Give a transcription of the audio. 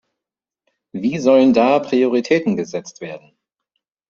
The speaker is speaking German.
Wie sollen da Prioritäten gesetzt werden?